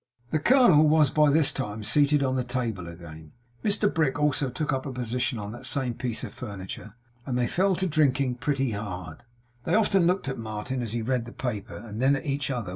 The colonel was by this time seated on the table again. Mr Brick also took up a position on that same piece of furniture; and they fell to drinking pretty hard. They often looked at Martin as he read the paper, and then at each other.